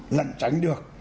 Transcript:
lẩn tránh được